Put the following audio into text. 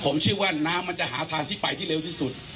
ผมเชื่อว่าน้ำมันจะหาทางที่ไปที่เร็วที่สุด